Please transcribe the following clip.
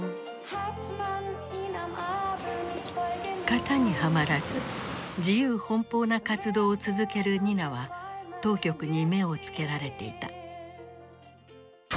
型にはまらず自由奔放な活動を続けるニナは当局に目を付けられていた。